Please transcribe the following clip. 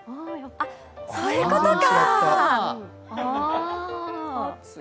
あっ、そういうことか。